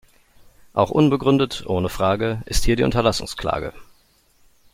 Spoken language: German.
Auch unbegründet – ohne Frage – ist hier die Unterlassungsklage.